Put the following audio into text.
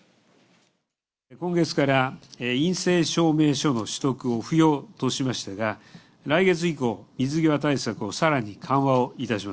今月から陰性証明書の取得を不要としましたが、来月以降、水際対策をさらに緩和をいたし